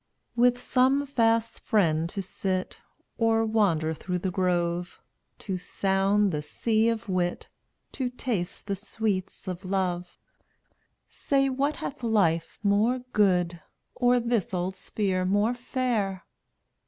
240 With some fast friend to sit, Or wander through the grove; To sound the sea of wit, To taste the sweets of love, Say, what hath life more good Or this old sphere more fair?